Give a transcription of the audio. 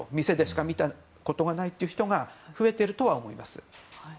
店でしか見たことがないという人が増えているとは思います。